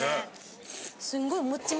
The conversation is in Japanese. すんごい。